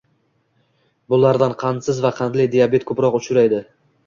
Bulardan qandsiz va qandli diabet ko‘proq uchraydi